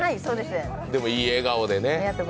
でも、言い笑顔でね。